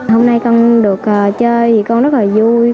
hôm nay con được chơi vì con rất là vui